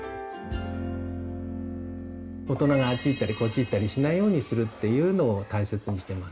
大人があっち行ったりこっち行ったりしないようにするっていうのを大切にしてます。